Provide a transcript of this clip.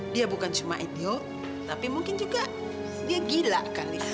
dia bukan cuma edio tapi mungkin juga dia gila kali